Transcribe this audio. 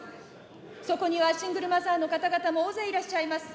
そこにはシングルマザーの方々も大勢いらっしゃいます。